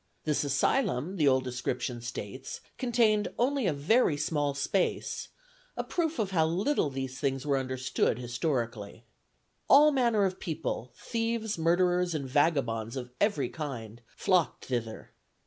This asylum, the old description states, contained only a very small space, a proof how little these things were understood historically. All manner of people, thieves, murderers, and vagabonds of every kind, flocked thither.